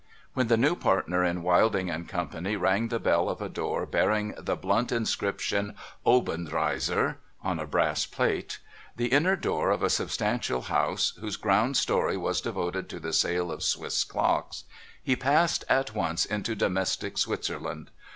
When the new partner in Wilding and Co. rang the bell of a door bearing the blunt inscription Obenreizer on a brass plate — the inner door of a substantial house, whose ground story was devoted to the sale of Swiss clocks — he passed at once into domestic Switzer land.